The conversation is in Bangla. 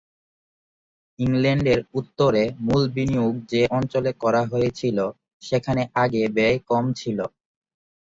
ইংল্যান্ডের উত্তরে মূল বিনিয়োগ যে অঞ্চলে করা হয়েছিল সেখানে আগে ব্যয় কম ছিল।